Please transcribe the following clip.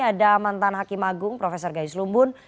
ada mantan hakim agung profesor gayus lumbun